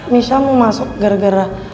misal mau masuk gara gara